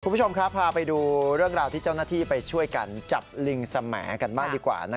คุณผู้ชมครับพาไปดูเรื่องราวที่เจ้าหน้าที่ไปช่วยกันจับลิงสแหมดกันบ้างดีกว่า